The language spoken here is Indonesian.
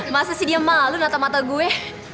masa sih dia malu nata mata gue